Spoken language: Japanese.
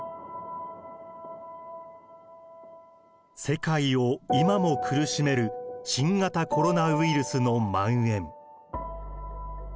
世界を今も苦しめる新型コロナウイルスのまん延。